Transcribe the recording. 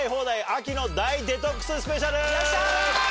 秋の大デトックススペシャル。